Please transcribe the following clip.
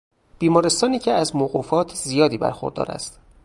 بیمارستانی که از موقوفات زیادی برخوردار است